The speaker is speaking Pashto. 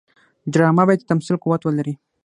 ډرامه باید د تمثیل قوت ولري